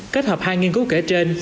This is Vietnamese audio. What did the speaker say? kết hợp hai nghiên cứu kể trên